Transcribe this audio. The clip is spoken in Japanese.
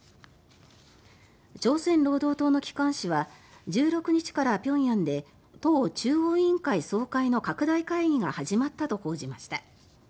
朝鮮労働党の機関紙は１６日から平壌で党中央委員会総会の拡大会議が始まったと報じました。